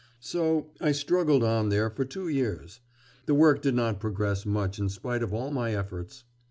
So I struggled on there for two years. The work did not progress much in spite of all my efforts.